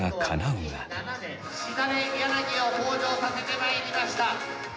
しだれ柳を登場させてまいりました。